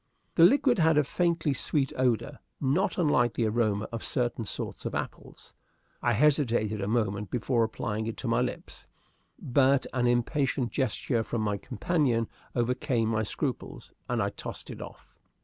The liquid had a faintly sweet odor, not unlike the aroma of certain sorts of apples. I hesitated a moment before applying it to my lips, but an impatient gesture from my companion overcame my scruples, and I tossed it off.